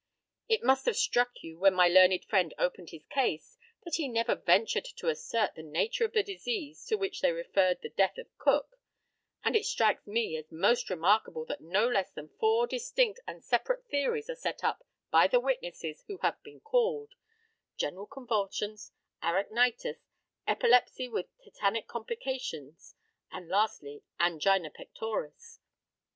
It must have struck you when my learned friend opened his case, that he never ventured to assert the nature of the disease to which they refer the death of Cook; and it strikes me as most remarkable that no less than four distinct and separate theories are set up by the witnesses who have been called general convulsions, arachnitis, epilepsy with tetanic complications, and lastly, angina pectoris.